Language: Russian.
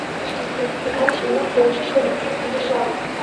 Ну, что же ты? Богат? Женат? Я уже женат, как видишь...